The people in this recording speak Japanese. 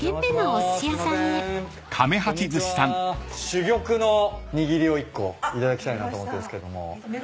珠玉の握りを１個頂きたいなと思ってるんですけども。